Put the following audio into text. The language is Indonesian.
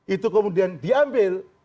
itu kemudian diambil